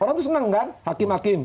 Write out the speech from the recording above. orang tuh senang kan hakim hakim